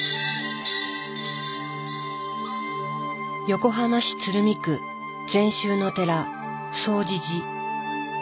横浜市鶴見区禅宗の寺總持寺。